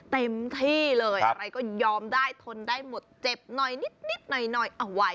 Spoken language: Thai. เต็มที่เลยอะไรก็ยอมได้ทนได้หมดเจ็บหน่อยนิดหน่อยเอาไว้